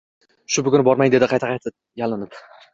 Shu bugun bormang dedi qayta-qayta yalinib.